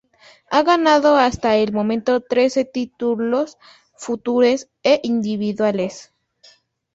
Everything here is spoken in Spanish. Ha ganado hasta el momento trece títulos futures en individuales.